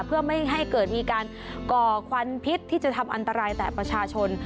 เพื่อไม่ให้เกิดมีการก่อควันพิษที่จะทำอันตรายแต่ประชาชน